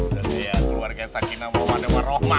ya keluarga sakinah mau ada warohmah